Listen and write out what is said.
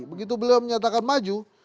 begitu beliau menyatakan maju